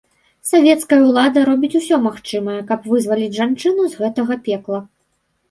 Савецкая ўлада робіць усё магчымае, каб вызваліць жанчыну з гэтага пекла.